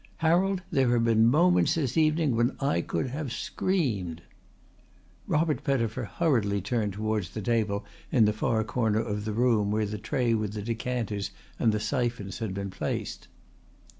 "Harold, there have been moments this evening when I could have screamed." Robert Pettifer hurriedly turned towards the table in the far corner of the room where the tray with the decanters and the syphons had been placed.